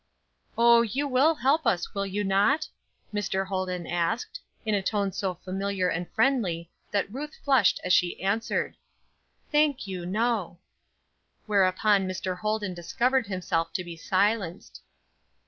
"Oh, you will help us, will you not?" Mr. Holden asked, in a tone so familiar and friendly that Ruth flushed as she answered: "Thank you, no." Whereupon Mr. Holden discovered himself to be silenced.